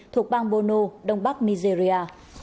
thuộc bang bono đông bắc nigeria